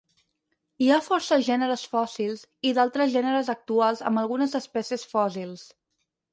Hi ha força gèneres fòssils, i d'altres gèneres actuals amb algunes espècies fòssils.